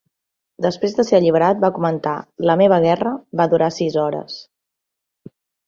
Després de ser alliberat, va comentar: "La meva guerra va durar sis hores".